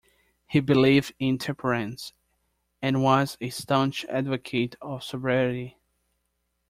He believed in temperance, and was a staunch advocate of sobriety.